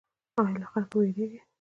ایا له خلکو ویریږئ؟